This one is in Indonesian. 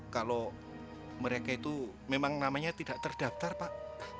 kalau mereka itu memang namanya tidak terdaftar pak